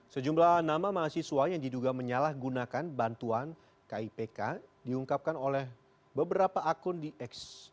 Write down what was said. sejumlah nama mahasiswa yang diduga menyalahgunakan bantuan kipk diungkapkan oleh beberapa akun di x